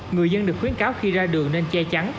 người dân được khuyến cáo khi ra đường nên che chắn